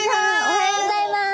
おはようございます。